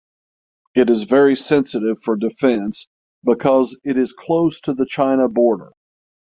It is very sensitive for defence because it is close to the China Border.